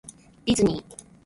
ディズニー